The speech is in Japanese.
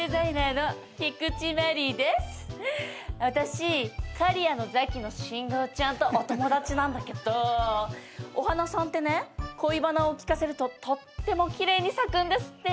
私カリヤのザキのシンゴちゃんとお友達なんだけどお花さんてね恋バナを聞かせるととっても奇麗に咲くんですって。